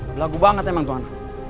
belagu banget emang tuhan